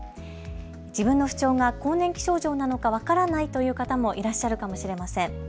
自分の不調が更年期症状なのか分からないという方もいらっしゃるかもしれません。